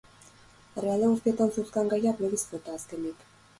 Herrialde guztietan zeuzkan gaiak begiz jota, azkenik.